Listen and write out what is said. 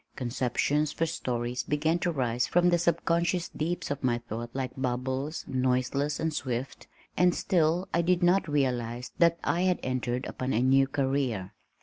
Conceptions for stories began to rise from the subconscious deeps of my thought like bubbles, noiseless and swift and still I did not realize that I had entered upon a new career.